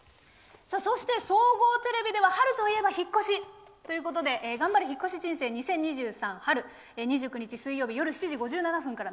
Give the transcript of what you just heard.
総合テレビでは春といえば引っ越しということで「ガンバレ！引っ越し人生２０２３春」２９日、水曜日夜７時５７分から。